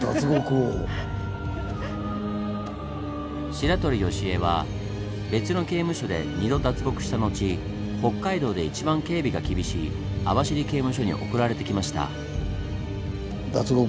白鳥由栄は別の刑務所で２度脱獄した後北海道で一番警備が厳しい網走刑務所に送られてきました。